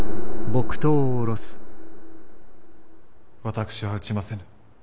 私は打ちませぬ。